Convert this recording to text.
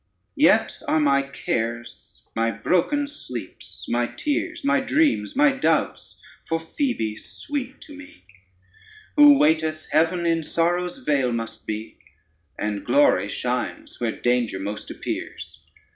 Vet are my cares, my broken sleeps, my tears, My dreams, my doubts, for Phoebe sweet to me: Who waiteth heaven in sorrow's vale must be, And glory shines where danger most appears.